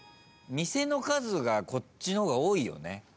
店の数がこっちの方が多いよね。